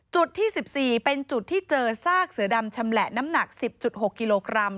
จุดที่๑๔เป็นจุดที่เจอซากเสือดำชำแหละน้ำหนัก๑๐๖กิโลกรัม